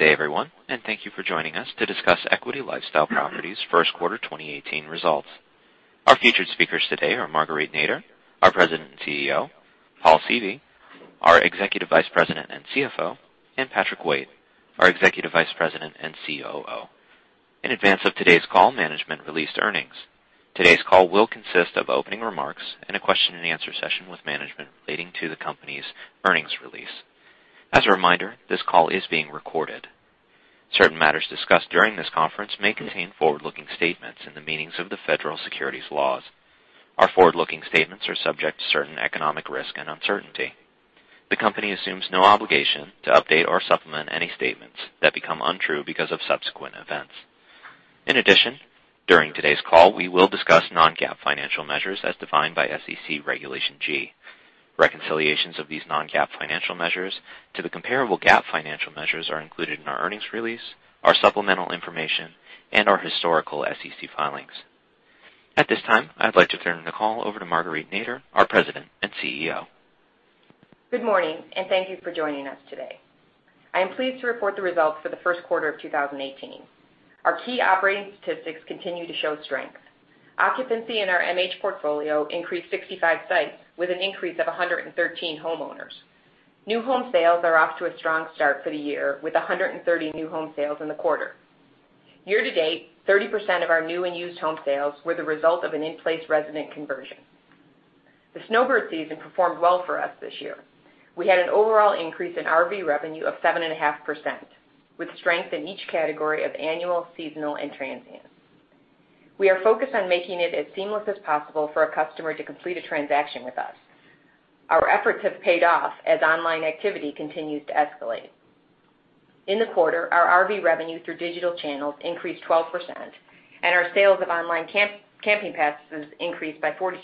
Good day, everyone, and thank you for joining us to discuss Equity LifeStyle Properties first quarter 2018 results. Our featured speakers today are Marguerite Nader, our President and CEO, Paul Seavey, our Executive Vice President and CFO, and Patrick Waite, our Executive Vice President and COO. In advance of today's call, management released earnings. Today's call will consist of opening remarks and a question and answer session with management relating to the company's earnings release. As a reminder, this call is being recorded. Certain matters discussed during this conference may contain forward-looking statements in the meanings of the Federal Securities Laws. Our forward-looking statements are subject to certain economic risk and uncertainty. The company assumes no obligation to update or supplement any statements that become untrue because of subsequent events. In addition, during today's call, we will discuss non-GAAP financial measures as defined by SEC Regulation G. Reconciliations of these non-GAAP financial measures to the comparable GAAP financial measures are included in our earnings release, our supplemental information, and our historical SEC filings. At this time, I'd like to turn the call over to Marguerite Nader, our President and CEO. Good morning, and thank you for joining us today. I am pleased to report the results for the first quarter of 2018. Our key operating statistics continue to show strength. Occupancy in our MH portfolio increased 65 sites with an increase of 113 homeowners. New home sales are off to a strong start for the year, with 130 new home sales in the quarter. Year to date, 30% of our new and used home sales were the result of an in-place resident conversion. The snowbird season performed well for us this year. We had an overall increase in RV revenue of 7.5%, with strength in each category of annual, seasonal, and transient. We are focused on making it as seamless as possible for a customer to complete a transaction with us. Our efforts have paid off as online activity continues to escalate. In the quarter, our RV revenue through digital channels increased 12%, and our sales of online camping passes increased by 42%.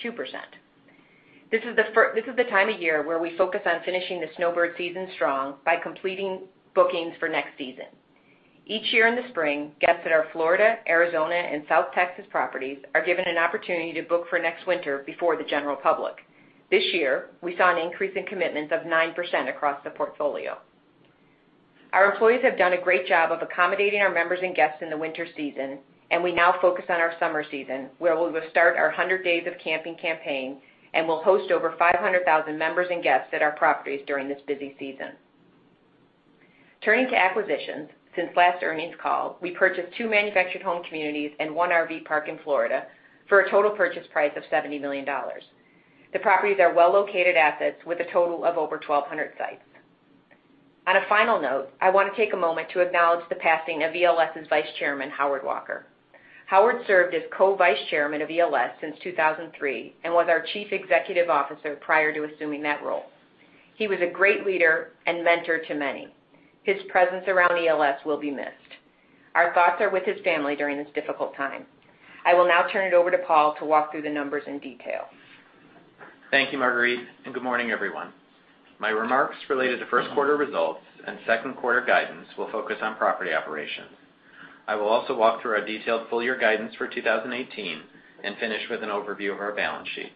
This is the time of year where we focus on finishing the snowbird season strong by completing bookings for next season. Each year in the spring, guests at our Florida, Arizona, and South Texas properties are given an opportunity to book for next winter before the general public. This year, we saw an increase in commitments of 9% across the portfolio. Our employees have done a great job of accommodating our members and guests in the winter season, and we now focus on our summer season, where we will start our 100 Days of Camping campaign and will host over 500,000 members and guests at our properties during this busy season. Turning to acquisitions, since last earnings call, we purchased two manufactured home communities and one RV park in Florida for a total purchase price of $70 million. The properties are well-located assets with a total of over 1,200 sites. On a final note, I want to take a moment to acknowledge the passing of ELS's Vice Chairman, Howard Walker. Howard served as co-Vice Chairman of ELS since 2003 and was our Chief Executive Officer prior to assuming that role. He was a great leader and mentor to many. His presence around ELS will be missed. Our thoughts are with his family during this difficult time. I will now turn it over to Paul to walk through the numbers in detail. Thank you, Marguerite. Good morning, everyone. My remarks related to first quarter results and second quarter guidance will focus on property operations. I will also walk through our detailed full-year guidance for 2018 and finish with an overview of our balance sheet.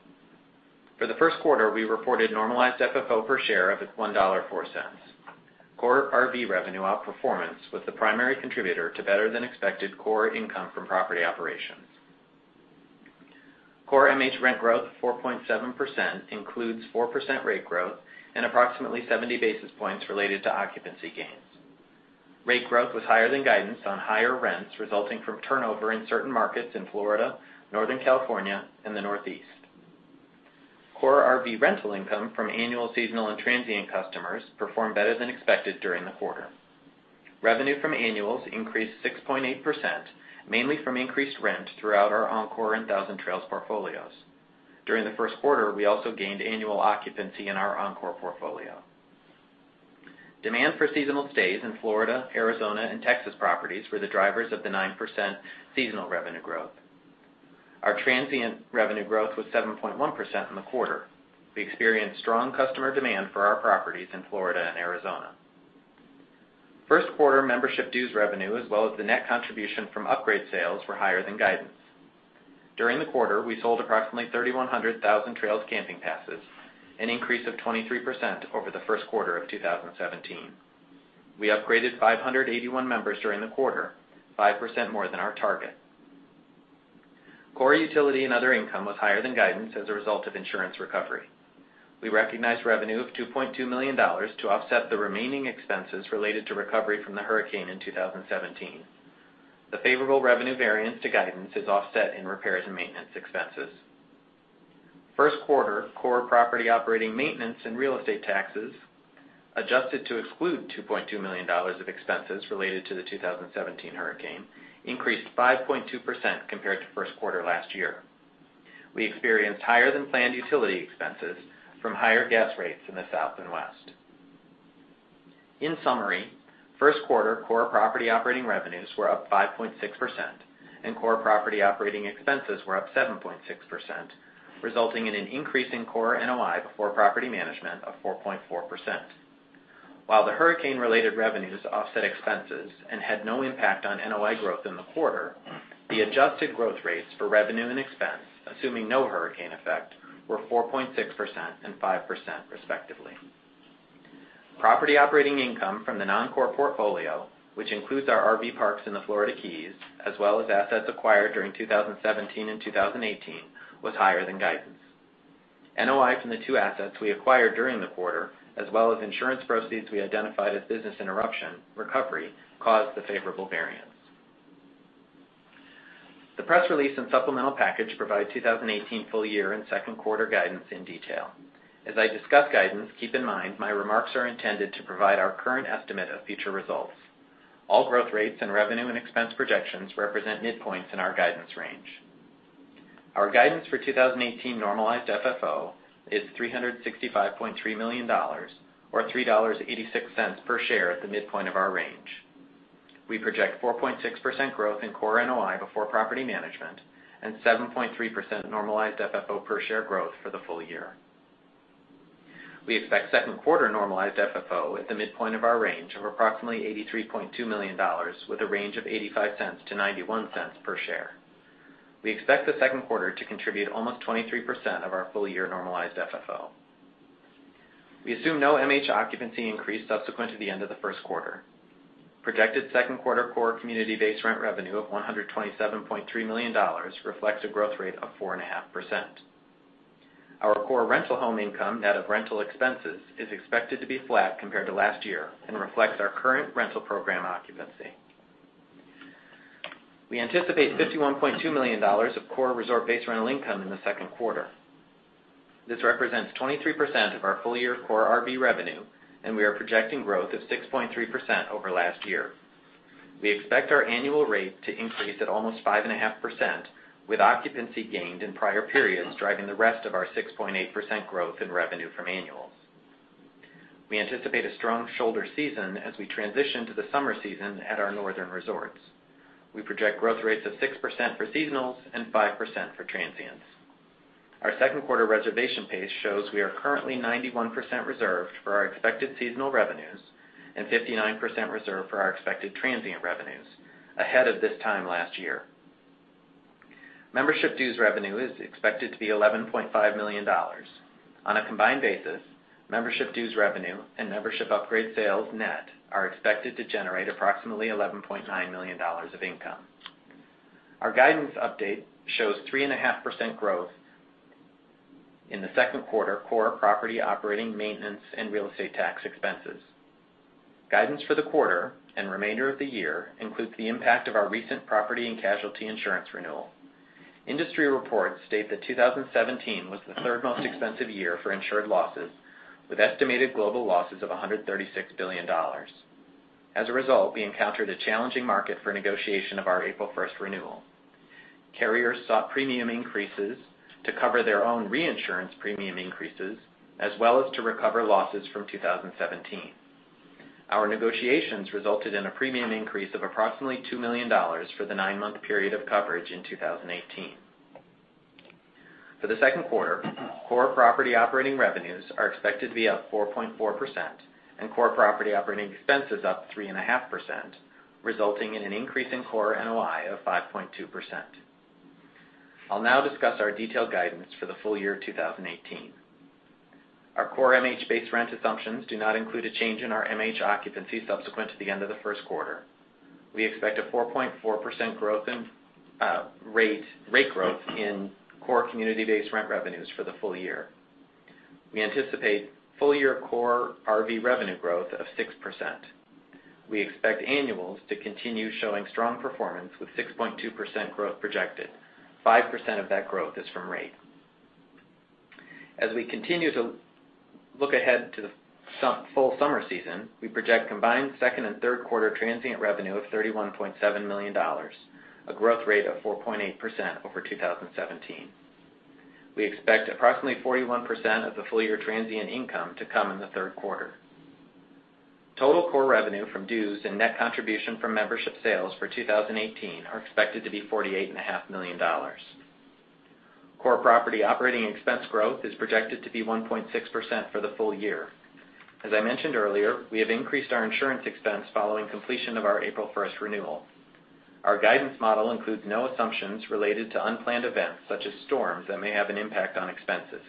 For the first quarter, we reported normalized FFO per share of $1.04. Core RV revenue outperformance was the primary contributor to better-than-expected core income from property operations. Core MH rent growth of 4.7% includes 4% rate growth and approximately 70 basis points related to occupancy gains. Rate growth was higher than guidance on higher rents resulting from turnover in certain markets in Florida, Northern California, and the Northeast. Core RV rental income from annual, seasonal, and transient customers performed better than expected during the quarter. Revenue from annuals increased 6.8%, mainly from increased rent throughout our Encore and Thousand Trails portfolios. During the first quarter, we also gained annual occupancy in our Encore portfolio. Demand for seasonal stays in Florida, Arizona, and Texas properties were the drivers of the 9% seasonal revenue growth. Our transient revenue growth was 7.1% in the quarter. We experienced strong customer demand for our properties in Florida and Arizona. First quarter membership dues revenue, as well as the net contribution from upgrade sales, were higher than guidance. During the quarter, we sold approximately 3,100 Thousand Trails camping passes, an increase of 23% over the first quarter of 2017. We upgraded 581 members during the quarter, 5% more than our target. Core utility and other income was higher than guidance as a result of insurance recovery. We recognized revenue of $2.2 million to offset the remaining expenses related to recovery from the hurricane in 2017. The favorable revenue variance to guidance is offset in repairs and maintenance expenses. First quarter core property operating maintenance and real estate taxes, adjusted to exclude $2.2 million of expenses related to the 2017 hurricane, increased 5.2% compared to first quarter last year. We experienced higher-than-planned utility expenses from higher gas rates in the South and West. In summary, first quarter core property operating revenues were up 5.6%, and core property operating expenses were up 7.6%, resulting in an increase in core NOI before property management of 4.4%. While the hurricane-related revenues offset expenses and had no impact on NOI growth in the quarter. The adjusted growth rates for revenue and expense, assuming no hurricane effect, were 4.6% and 5%, respectively. Property operating income from the non-core portfolio, which includes our RV parks in the Florida Keys, as well as assets acquired during 2017 and 2018, was higher than guidance. NOI from the two assets we acquired during the quarter, as well as insurance proceeds we identified as business interruption recovery, caused the favorable variance. The press release and supplemental package provide 2018 full year and second quarter guidance in detail. As I discuss guidance, keep in mind, my remarks are intended to provide our current estimate of future results. All growth rates and revenue and expense projections represent midpoints in our guidance range. Our guidance for 2018 normalized FFO is $365.3 million, or $3.86 per share at the midpoint of our range. We project 4.6% growth in core NOI before property management and 7.3% normalized FFO per share growth for the full year. We expect second quarter normalized FFO at the midpoint of our range of approximately $83.2 million, with a range of $0.85-$0.91 per share. We expect the second quarter to contribute almost 23% of our full-year normalized FFO. We assume no MH occupancy increase subsequent to the end of the first quarter. Projected second quarter core community base rent revenue of $127.3 million reflects a growth rate of 4.5%. Our core rental home income net of rental expenses is expected to be flat compared to last year and reflects our current rental program occupancy. We anticipate $51.2 million of core resort-based rental income in the second quarter. This represents 23% of our full-year core RV revenue, and we are projecting growth of 6.3% over last year. We expect our annual rate to increase at almost 5.5% with occupancy gained in prior periods driving the rest of our 6.8% growth in revenue from annuals. We anticipate a strong shoulder season as we transition to the summer season at our northern resorts. We project growth rates of 6% for seasonals and 5% for transients. Our second quarter reservation pace shows we are currently 91% reserved for our expected seasonal revenues and 59% reserved for our expected transient revenues ahead of this time last year. Membership dues revenue is expected to be $11.5 million. On a combined basis, membership dues revenue and membership upgrade sales net are expected to generate approximately $11.9 million of income. Our guidance update shows 3.5% growth in the second quarter core property operating, maintenance, and real estate tax expenses. Guidance for the quarter and remainder of the year includes the impact of our recent property and casualty insurance renewal. Industry reports state that 2017 was the third most expensive year for insured losses with estimated global losses of $136 billion. As a result, we encountered a challenging market for negotiation of our April 1st renewal. Carriers sought premium increases to cover their own reinsurance premium increases, as well as to recover losses from 2017. Our negotiations resulted in a premium increase of approximately $2 million for the nine-month period of coverage in 2018. For the second quarter, core property operating revenues are expected to be up 4.4% and core property operating expenses up 3.5%, resulting in an increase in core NOI of 5.2%. I'll now discuss our detailed guidance for the full year 2018. Our core MH base rent assumptions do not include a change in our MH occupancy subsequent to the end of the first quarter. We expect a 4.4% rate growth in core community-based rent revenues for the full year. We anticipate full-year core RV revenue growth of 6%. We expect annuals to continue showing strong performance with 6.2% growth projected. 5% of that growth is from rate. As we continue to look ahead to the full summer season, we project combined second and third quarter transient revenue of $31.7 million, a growth rate of 4.8% over 2017. We expect approximately 41% of the full-year transient income to come in the third quarter. Total core revenue from dues and net contribution from membership sales for 2018 are expected to be $48.5 million. Core property operating expense growth is projected to be 1.6% for the full year. As I mentioned earlier, we have increased our insurance expense following completion of our April 1st renewal. Our guidance model includes no assumptions related to unplanned events such as storms that may have an impact on expenses.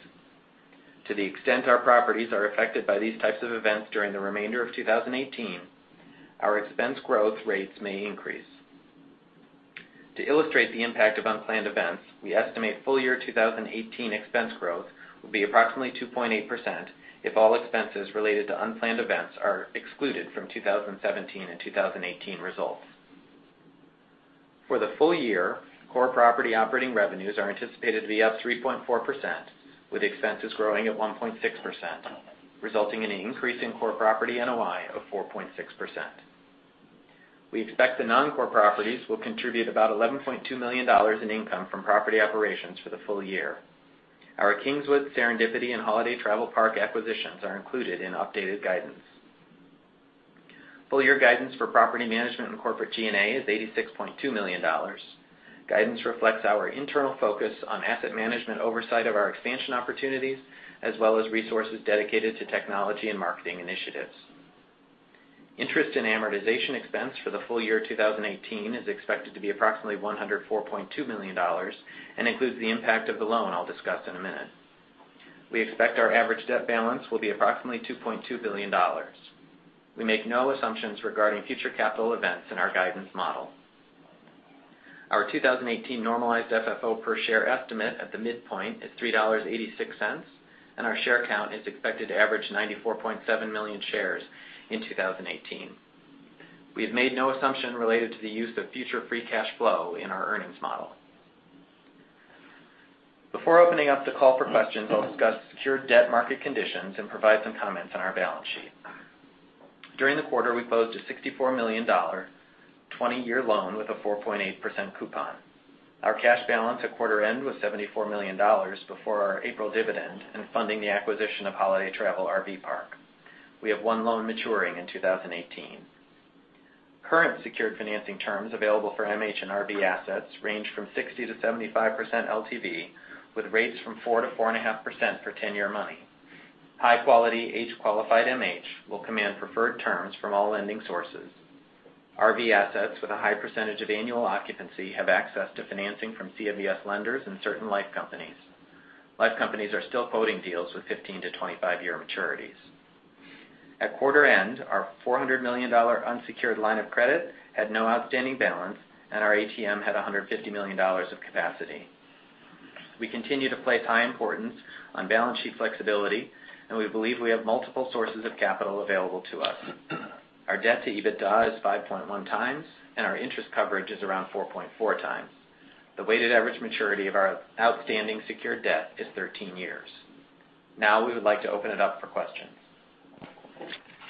To the extent our properties are affected by these types of events during the remainder of 2018, our expense growth rates may increase. To illustrate the impact of unplanned events, we estimate full-year 2018 expense growth will be approximately 2.8% if all expenses related to unplanned events are excluded from 2017 and 2018 results. For the full year, core property operating revenues are anticipated to be up 3.4%, with expenses growing at 1.6%, resulting in an increase in core property NOI of 4.6%. We expect the non-core properties will contribute about $11.2 million in income from property operations for the full year. Our Kings Wood, Serendipity, and Holiday Trav-L-Park acquisitions are included in updated guidance. Full-year guidance for property management and corporate G&A is $86.2 million. Guidance reflects our internal focus on asset management oversight of our expansion opportunities, as well as resources dedicated to technology and marketing initiatives. Interest and amortization expense for the full year 2018 is expected to be approximately $104.2 million and includes the impact of the loan I'll discuss in a minute. We expect our average debt balance will be approximately $2.2 billion. We make no assumptions regarding future capital events in our guidance model. Our 2018 normalized FFO per share estimate at the midpoint is $3.86, and our share count is expected to average 94.7 million shares in 2018. We have made no assumption related to the use of future free cash flow in our earnings model. Before opening up the call for questions, I'll discuss secured debt market conditions and provide some comments on our balance sheet. During the quarter, we closed a $64 million 20-year loan with a 4.8% coupon. Our cash balance at quarter end was $74 million before our April dividend and funding the acquisition of Holiday Trav-L-Park. We have one loan maturing in 2018. Current secured financing terms available for MH and RV assets range from 60%-75% LTV, with rates from 4%-4.5% for 10-year money. High-quality, age-qualified MH will command preferred terms from all lending sources. RV assets with a high percentage of annual occupancy have access to financing from CMBS lenders and certain life companies. Life companies are still quoting deals with 15-25-year maturities. At quarter end, our $400 million unsecured line of credit had no outstanding balance, our ATM had $150 million of capacity. We continue to place high importance on balance sheet flexibility, and we believe we have multiple sources of capital available to us. Our debt to EBITDA is 5.1 times, and our interest coverage is around 4.4 times. The weighted average maturity of our outstanding secured debt is 13 years. We would like to open it up for questions.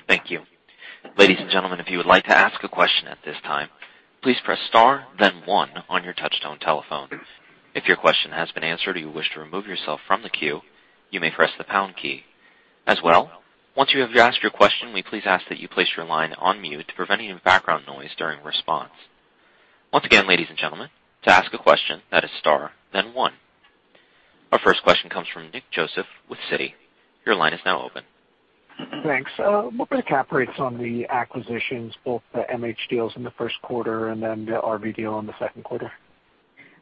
Thank you. Ladies and gentlemen, if you would like to ask a question at this time, please press star then one on your touchtone telephone. If your question has been answered or you wish to remove yourself from the queue, you may press the pound key. Once you have asked your question, we please ask that you place your line on mute to prevent any background noise during response. Once again, ladies and gentlemen, to ask a question, that is star then one. Our first question comes from Nick Joseph with Citi. Your line is now open. Thanks. What were the cap rates on the acquisitions, both the MH deals in the first quarter and then the RV deal in the second quarter?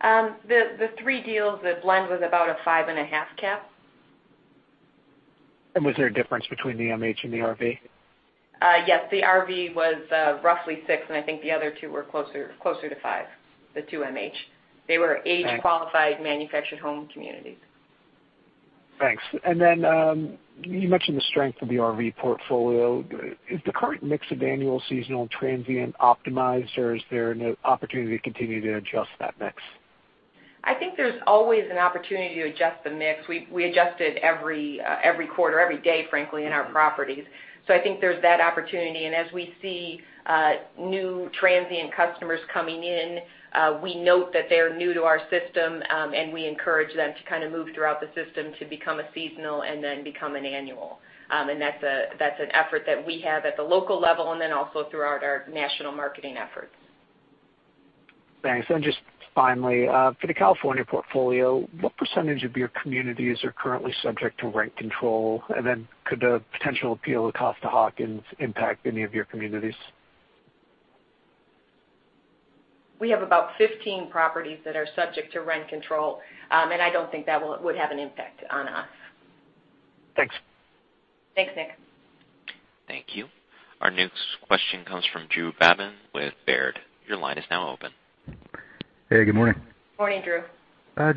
The three deals, the blend was about a 5.5 cap. Was there a difference between the MH and the RV? Yes. The RV was roughly six, and I think the other two were closer to five, the two MH. They were age-qualified- Thanks manufactured home communities. Thanks. Then, you mentioned the strength of the RV portfolio. Is the current mix of annual, seasonal, and transient optimized, or is there an opportunity to continue to adjust that mix? I think there's always an opportunity to adjust the mix. We adjust it every quarter, every day, frankly, in our properties. I think there's that opportunity. As we see new transient customers coming in, we note that they're new to our system, and we encourage them to move throughout the system to become a seasonal and then become an annual. That's an effort that we have at the local level and then also throughout our national marketing efforts. Thanks. Just finally, for the California portfolio, what percentage of your communities are currently subject to rent control? Could a potential appeal of Costa-Hawkins impact any of your communities? We have about 15 properties that are subject to rent control. I don't think that would have an impact on us. Thanks. Thanks, Nick. Thank you. Our next question comes from Drew Babin with Baird. Your line is now open. Hey, good morning. Morning, Drew.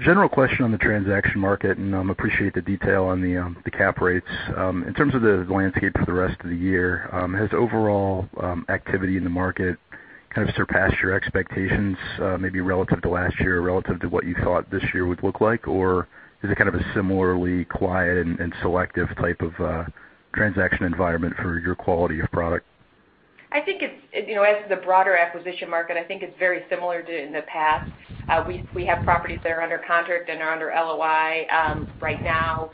General question on the transaction market, and I appreciate the detail on the cap rates. In terms of the landscape for the rest of the year, has overall activity in the market surpassed your expectations, maybe relative to last year or relative to what you thought this year would look like? Is it a similarly quiet and selective type of transaction environment for your quality of product? The broader acquisition market, I think it's very similar to in the past. We have properties that are under contract and are under LOI right now.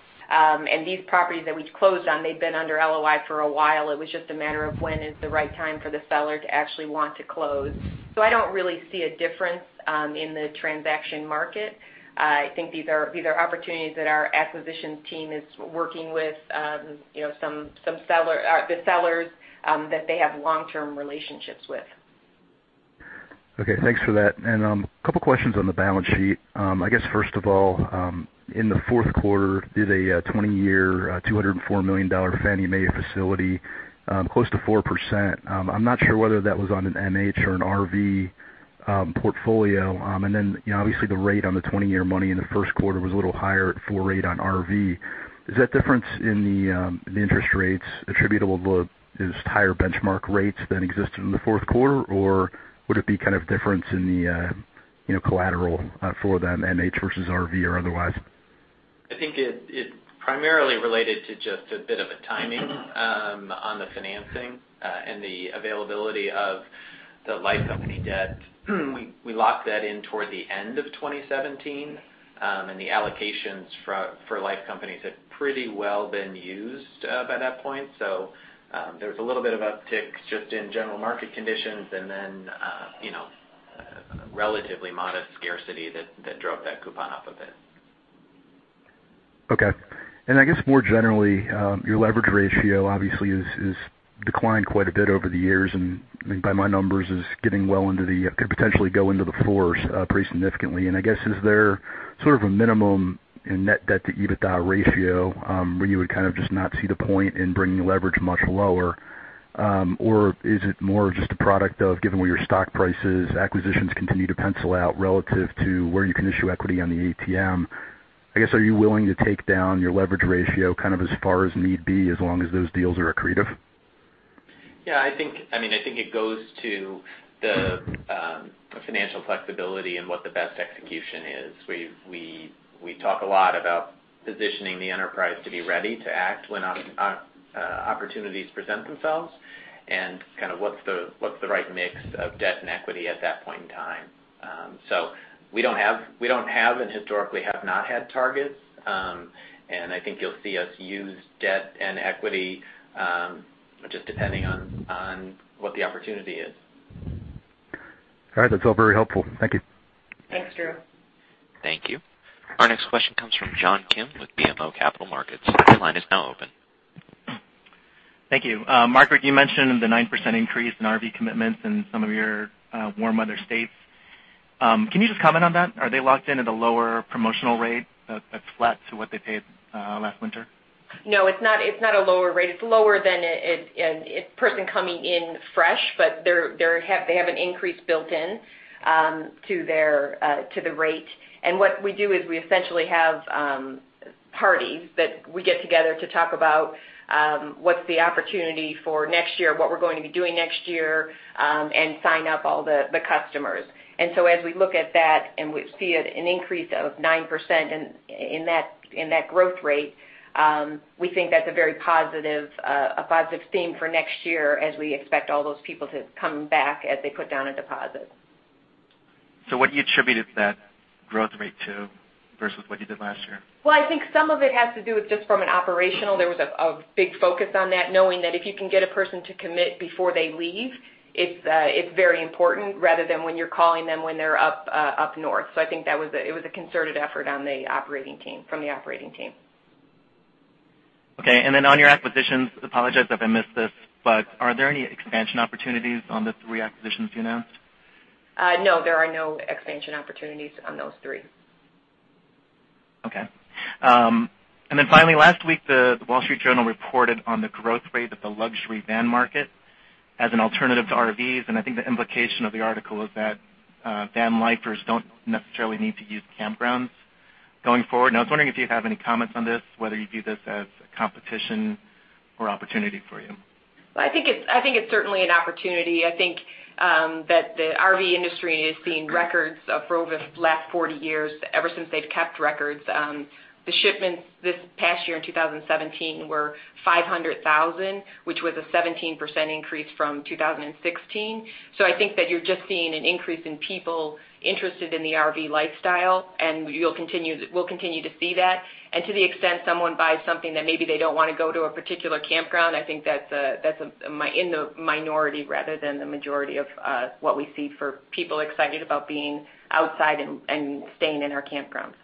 These properties that we've closed on, they've been under LOI for a while. It was just a matter of when is the right time for the seller to actually want to close. I don't really see a difference in the transaction market. I think these are opportunities that our acquisitions team is working with, the sellers that they have long-term relationships with. Okay, thanks for that. A couple of questions on the balance sheet. I guess, first of all, in the fourth quarter, did a 20-year $204 million Fannie Mae facility, close to 4%. I'm not sure whether that was on an MH or an RV portfolio. Obviously the rate on the 20-year money in the first quarter was a little higher at full rate on RV. Is that difference in the interest rates attributable to just higher benchmark rates than existed in the fourth quarter, or would it be difference in the collateral for the MH versus RV or otherwise? I think it primarily related to just a bit of a timing on the financing and the availability of the life company debt. We locked that in toward the end of 2017, and the allocations for life companies had pretty well been used by that point. There was a little bit of uptick just in general market conditions and then relatively modest scarcity that drove that coupon up a bit. Okay. I guess more generally, your leverage ratio obviously has declined quite a bit over the years, and by my numbers, could potentially go into the fours pretty significantly. I guess is there sort of a minimum in net debt to EBITDA ratio, where you would kind of just not see the point in bringing leverage much lower? Is it more just a product of, given where your stock price is, acquisitions continue to pencil out relative to where you can issue equity on the ATM. I guess, are you willing to take down your leverage ratio kind of as far as need be, as long as those deals are accretive? Yeah, I think it goes to the financial flexibility and what the best execution is. We talk a lot about positioning the enterprise to be ready to act when opportunities present themselves and kind of what's the right mix of debt and equity at that point in time. We don't have and historically have not had targets. I think you'll see us use debt and equity, just depending on what the opportunity is. All right. That's all very helpful. Thank you. Thanks, Drew. Thank you. Our next question comes from John Kim with BMO Capital Markets. Your line is now open. Thank you. Marguerite, you mentioned the 9% increase in RV commitments in some of your warm other states. Can you just comment on that? Are they locked in at a lower promotional rate that's flat to what they paid last winter? No, it's not a lower rate. It's lower than a person coming in fresh, but they have an increase built in to the rate. What we do is we essentially have parties that we get together to talk about what's the opportunity for next year, what we're going to be doing next year, and sign up all the customers. As we look at that and we see an increase of 9% in that growth rate, we think that's a very positive theme for next year as we expect all those people to come back as they put down a deposit. What do you attribute that growth rate to versus what you did last year? Well, I think some of it has to do with just from an operational, there was a big focus on that, knowing that if you can get a person to commit before they leave, it's very important rather than when you're calling them when they're up north. I think that it was a concerted effort from the operating team. Okay. On your acquisitions, apologize if I missed this, but are there any expansion opportunities on the three acquisitions you announced? No, there are no expansion opportunities on those three. Okay. Finally, last week, The Wall Street Journal reported on the growth rate of the luxury van market as an alternative to RVs, and I think the implication of the article is that van lifers don't necessarily need to use campgrounds going forward. I was wondering if you have any comments on this, whether you view this as competition or opportunity for you. Well, I think it's certainly an opportunity. I think that the RV industry has seen records for over the last 40 years, ever since they've kept records. The shipments this past year in 2017 were 500,000, which was a 17% increase from 2016. I think that you're just seeing an increase in people interested in the RV lifestyle, and we'll continue to see that. To the extent someone buys something that maybe they don't want to go to a particular campground, I think that's in the minority rather than the majority of what we see for people excited about being outside and staying in our campgrounds.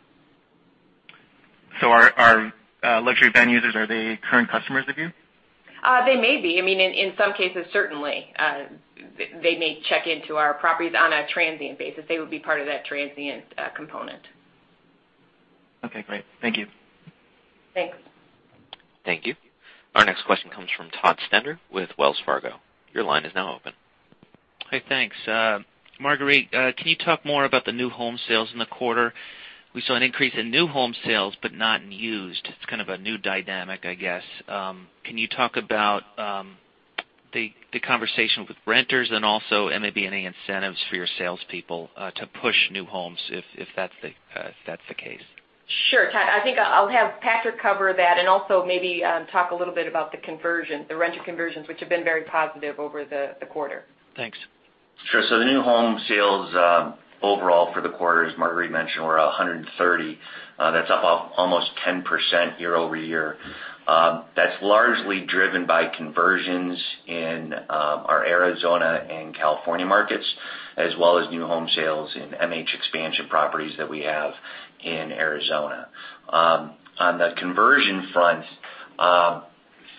Are luxury van users, are they current customers of you? They may be. In some cases, certainly. They may check into our properties on a transient basis. They would be part of that transient component. Okay, great. Thank you. Thanks. Thank you. Our next question comes from Todd Stender with Wells Fargo. Your line is now open. Hey, thanks. Marguerite, can you talk more about the new home sales in the quarter? We saw an increase in new home sales, but not in used. It's kind of a new dynamic, I guess. Can you talk about the conversation with renters, and also maybe any incentives for your salespeople to push new homes if that's the case? Sure, Todd. I think I'll have Patrick cover that and also maybe talk a little bit about the conversion, the renter conversions, which have been very positive over the quarter. Thanks. Sure. The new home sales overall for the quarter, as Marguerite mentioned, were 130. That's up almost 10% year-over-year. That's largely driven by conversions in our Arizona and California markets, as well as new home sales in MH expansion properties that we have in Arizona. On the conversion front,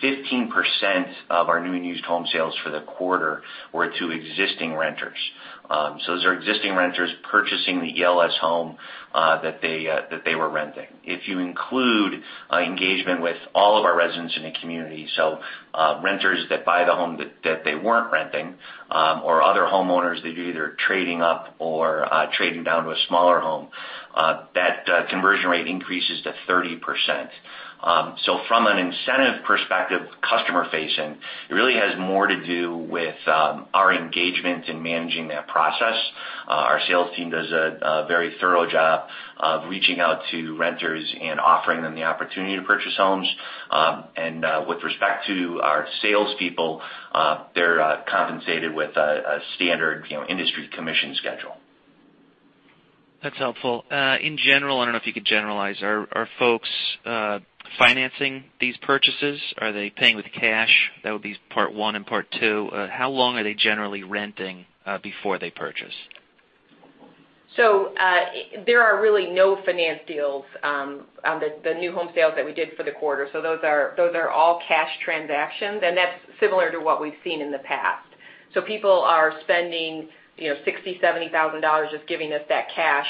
15% of our new and used home sales for the quarter were to existing renters. Those are existing renters purchasing the ELS home that they were renting. If you include engagement with all of our residents in a community, so renters that buy the home that they weren't renting or other homeowners that are either trading up or trading down to a smaller home, that conversion rate increases to 30%. From an incentive perspective, customer facing, it really has more to do with our engagement in managing that process. Our sales team does a very thorough job of reaching out to renters and offering them the opportunity to purchase homes. With respect to our salespeople, they're compensated with a standard industry commission schedule. That's helpful. In general, I don't know if you could generalize, are folks financing these purchases? Are they paying with cash? That would be part one and part two. How long are they generally renting before they purchase? There are really no finance deals on the new home sales that we did for the quarter. Those are all cash transactions, and that's similar to what we've seen in the past. People are spending $60,000, $70,000 just giving us that cash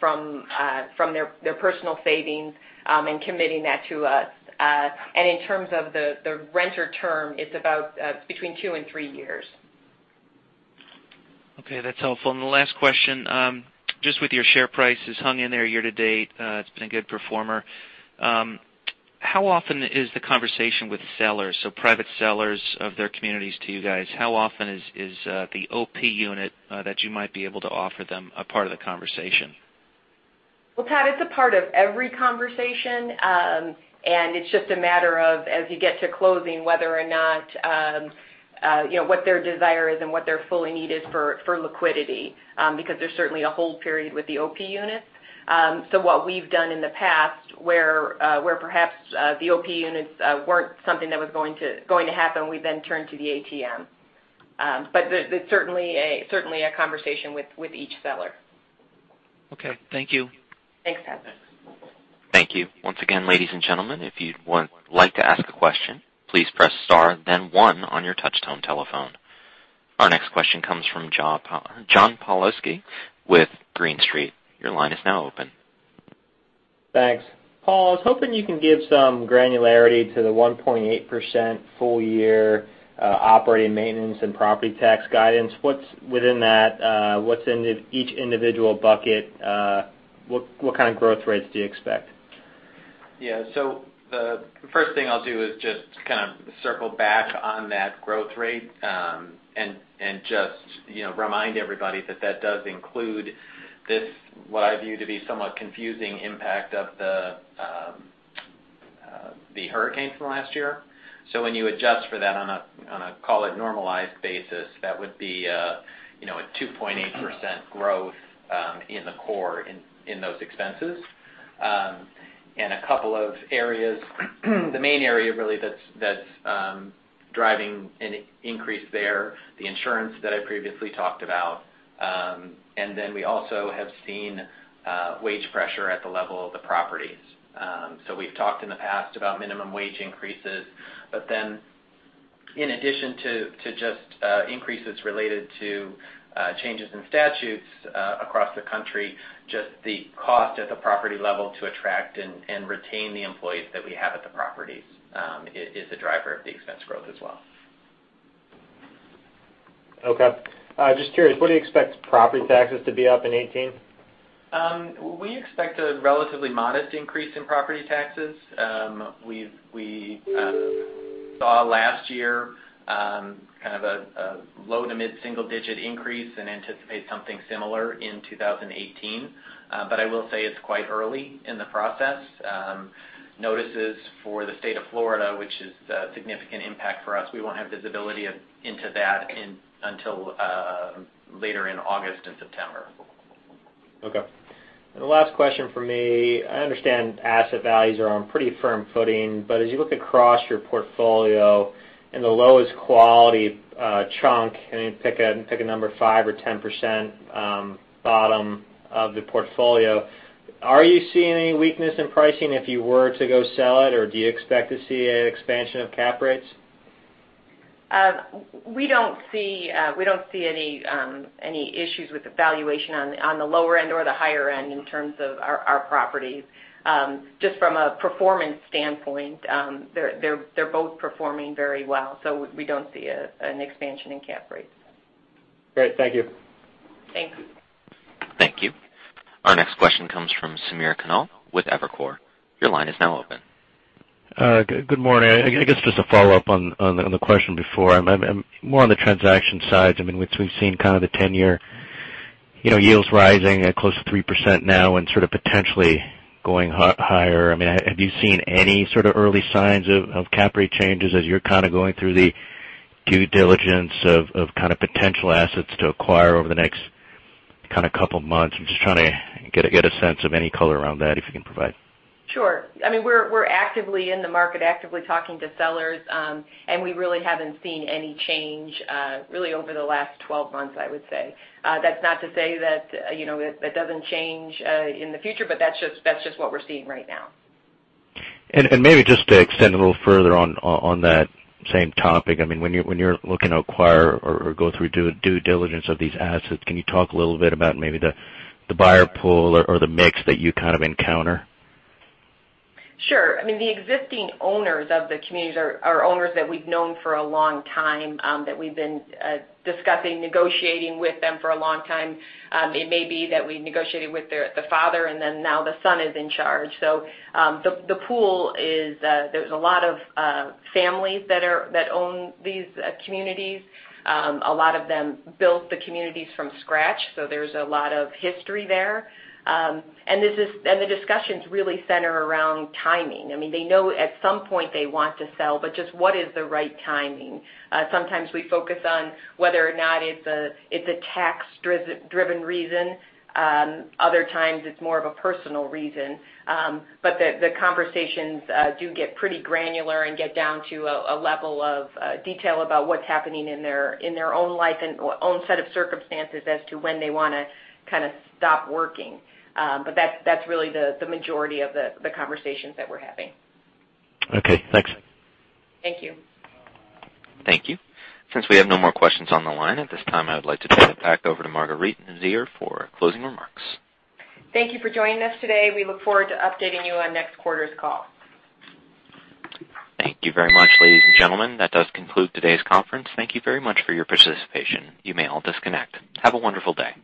from their personal savings and committing that to us. In terms of the renter term, it's about between two and three years. Okay, that's helpful. The last question, just with your share price has hung in there year to date, it's been a good performer. How often is the conversation with sellers, private sellers of their communities to you guys, how often is the OP unit that you might be able to offer them a part of the conversation? Well, Pat, it's a part of every conversation. It's just a matter of, as you get to closing, whether or not what their desire is and what their fully need is for liquidity, because there's certainly a hold period with the OP units. What we've done in the past where perhaps the OP units weren't something that was going to happen, we then turn to the ATM. It's certainly a conversation with each seller. Okay. Thank you. Thanks, Pat. Thank you. Once again, ladies and gentlemen, if you'd like to ask a question, please press star then one on your touch tone telephone. Our next question comes from John Pawlowski with Green Street. Your line is now open. Thanks. Paul, I was hoping you can give some granularity to the 1.8% full year operating maintenance and property tax guidance. Within that, what's in each individual bucket? What kind of growth rates do you expect? The first thing I'll do is just kind of circle back on that growth rate, and just remind everybody that does include this, what I view to be somewhat confusing impact of the hurricane from last year. When you adjust for that on a, call it normalized basis, that would be a 2.8% growth in the core in those expenses. A couple of areas, the main area really that's driving an increase there, the insurance that I previously talked about. We also have seen wage pressure at the level of the properties. We've talked in the past about minimum wage increases. In addition to just increases related to changes in statutes across the country, just the cost at the property level to attract and retain the employees that we have at the properties is a driver of the expense growth as well. Just curious, what do you expect property taxes to be up in 2018? We expect a relatively modest increase in property taxes. We saw last year kind of a low to mid-single digit increase and anticipate something similar in 2018. I will say it's quite early in the process. Notices for the state of Florida, which is a significant impact for us, we won't have visibility into that until later in August and September. Okay. The last question from me, I understand asset values are on pretty firm footing, but as you look across your portfolio in the lowest quality chunk, and you pick a number 5% or 10% bottom of the portfolio, are you seeing any weakness in pricing if you were to go sell it or do you expect to see an expansion of cap rates? We don't see any issues with the valuation on the lower end or the higher end in terms of our properties. Just from a performance standpoint, they're both performing very well, we don't see an expansion in cap rates. Great. Thank you. Thanks. Thank you. Our next question comes from Samir Khanal with Evercore. Your line is now open. Good morning. I guess just a follow-up on the question before, more on the transaction side. We've seen kind of the 10-year yields rising at close to 3% now and sort of potentially going higher. Have you seen any sort of early signs of cap rate changes as you're kind of going through the due diligence of kind of potential assets to acquire over the next kind of couple of months? I'm just trying to get a sense of any color around that if you can provide. Sure. We're actively in the market, actively talking to sellers, and we really haven't seen any change really over the last 12 months, I would say. That's not to say that it doesn't change in the future, but that's just what we're seeing right now. Maybe just to extend a little further on that same topic. When you're looking to acquire or go through due diligence of these assets, can you talk a little bit about maybe the buyer pool or the mix that you kind of encounter? Sure. The existing owners of the communities are owners that we've known for a long time, that we've been discussing, negotiating with them for a long time. It may be that we negotiated with the father and then now the son is in charge. The pool is, there's a lot of families that own these communities. A lot of them built the communities from scratch, so there's a lot of history there. The discussions really center around timing. They know at some point they want to sell, but just what is the right timing? Sometimes we focus on whether or not it's a tax-driven reason. Other times it's more of a personal reason. The conversations do get pretty granular and get down to a level of detail about what's happening in their own life and own set of circumstances as to when they want to kind of stop working. That's really the majority of the conversations that we're having. Okay, thanks. Thank you. Thank you. Since we have no more questions on the line, at this time, I would like to turn it back over to Marguerite Nader for closing remarks. Thank you for joining us today. We look forward to updating you on next quarter's call. Thank you very much, ladies and gentlemen. That does conclude today's conference. Thank you very much for your participation. You may all disconnect. Have a wonderful day.